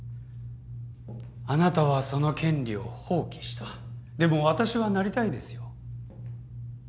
あなたはその権利を放棄したでも私はなりたいですよ。